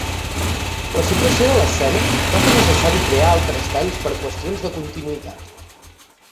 La supressió de l'escena va fer necessari crear altres talls per qüestions de continuïtat.